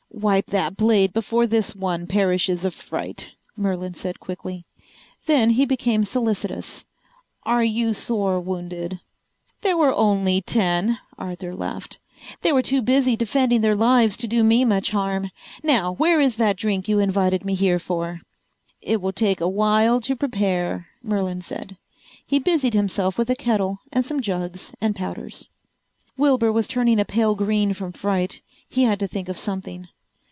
"Wipe that blade before this one perishes of fright," Merlin said quickly. Then he became solicitous. "Are you sore wounded?" "There were only ten," Arthur laughed. "They were too busy defending their lives to do me much harm. Now, where is that drink you invited me here for?" "It will take a while to prepare," Merlin said. He busied himself with a kettle and some jugs and powders. Wilbur was turning a pale green from fright. He had to think of something.